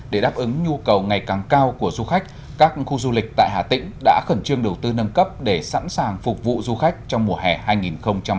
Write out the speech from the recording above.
để đáp ứng nhu cầu ngày càng cao của du khách các khu du lịch tại hà tĩnh đã khẩn trương đầu tư nâng cấp để sẵn sàng phục vụ du khách trong mùa hè hai nghìn hai mươi bốn